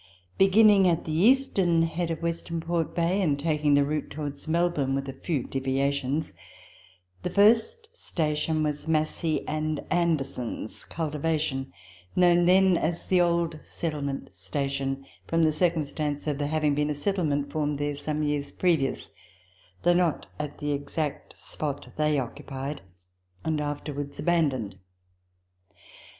Beginning at the eastern head of Western Port Bay, and taking the route towards Melbourne with a few deviations, the first station was Massie and Anderson's (cultivation), known then as the Old Settlement Station, from the circumstance of there having been a settlement formed there some years previous (though not at the exact spot they occupied) and afterwards abandoned.